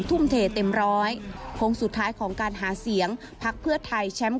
แต่เมื่อเป็นเคยแบบแหวะ